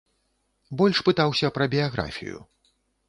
Больш пытаўся пра біяграфію.